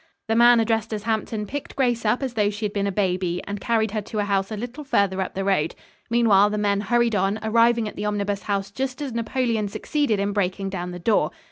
The man addressed as Hampton picked Grace up as though she had been a baby and carried her to a house a little further up the road. Meanwhile the men hurried on, arriving at the Omnibus House just as Napoleon succeeded in breaking down the door.